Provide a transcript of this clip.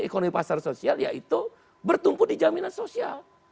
ekonomi pasar sosial yaitu bertumpu di jaminan sosial